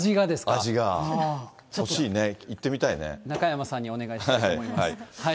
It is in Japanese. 欲しいね、中山さんにお願いしたいと思います。